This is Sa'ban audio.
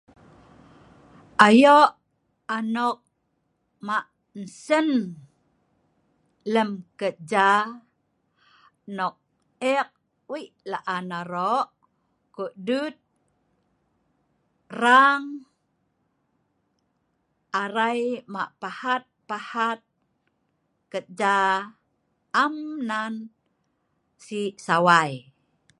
Ayo' anok mah' sem lem keja nok ek wei' la'an aro' ko'dut rang arai mah' pahat-pahat keja am Nan si sawai.